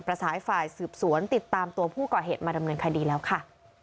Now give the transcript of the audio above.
สายฝ่ายสืบสวนติดตามตัวผู้ก่อเหตุมาดำเนินคดีแล้วค่ะ